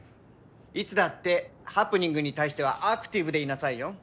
いつだってハプニングに対してはアクティブでいなさいよ。